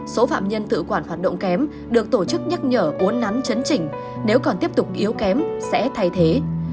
số phạm nhân tự quản hoạt động kém được tổ chức nhắc nhở uốn nắn chấn chỉnh nếu còn tiếp tục yếu kém sẽ thay thế